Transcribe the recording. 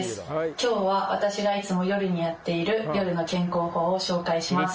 今日は私がいつも夜にやっている夜の健康法を紹介します。